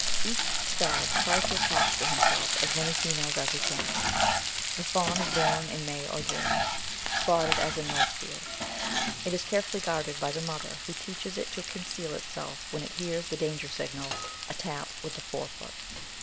Each stag tries to attach to himself as many females as he can. The fawn is bom in May or June, spotted as in most deer ; it is carefully guarded by the mother, who teaches it to conceal itself when it hears the danger signal — n, tap with the fore foot.